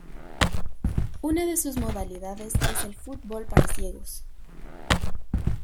Una de sus modalidades es el fútbol para ciegos.